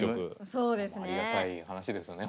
そうですね。